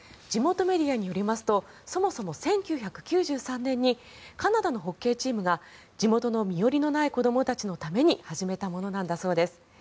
地元メディアによりますとそもそも１９９３年にカナダのホッケーチームが地元の身寄りのない子どもたちのために始めたものなんだそうです。